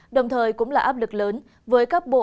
đồng thời cũng là áp lực lớn với các bộ